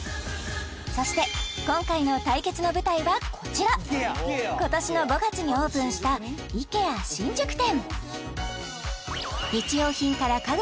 そして今回の対決の舞台はこちら今年の５月にオープンしたＩＫＥＡ新宿店